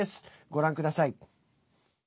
ご覧ください。